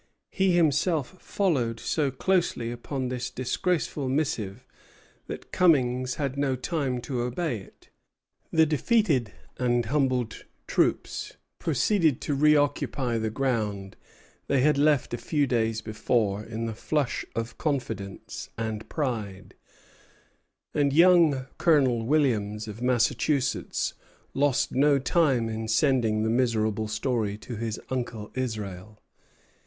He himself followed so closely upon this disgraceful missive that Cummings had no time to obey it. Cunningham, aide de camp of Abercromby, to Cummings, 8 July, 1758. The defeated and humbled troops proceeded to reoccupy the ground they had left a few days before in the flush of confidence and pride; and young Colonel Williams, of Massachusetts, lost no time in sending the miserable story to his uncle Israel.